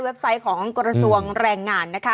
ไซต์ของกระทรวงแรงงานนะคะ